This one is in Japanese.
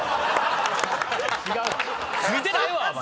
ついてないわお前！